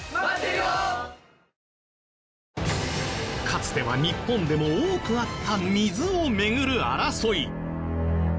かつては日本でも多くあった水を巡る争い。